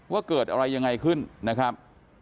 ว่าเกิดอะไรยังไงขึ้นนะครับ